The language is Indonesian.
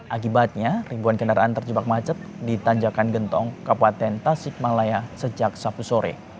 akibatnya ribuan kendaraan terjebak macet di tanjakan gentong kabupaten tasik malaya sejak sabtu sore